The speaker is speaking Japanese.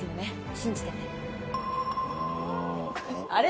信じててあれ？